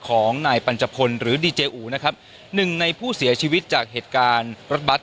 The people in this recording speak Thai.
ของนายปัญจพลหรือดีเจอูนะครับหนึ่งในผู้เสียชีวิตจากเหตุการณ์รถบัตร